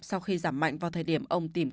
sau khi giảm mạnh vào thời điểm ông tìm